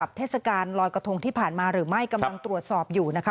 เทศกาลลอยกระทงที่ผ่านมาหรือไม่กำลังตรวจสอบอยู่นะคะ